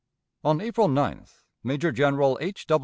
On April 9th Major General H.